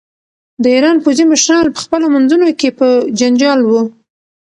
د ایران پوځي مشران په خپلو منځونو کې په جنجال وو.